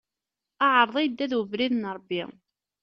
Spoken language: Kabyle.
Aɛeṛḍi idda d ubrid n Ṛebbi.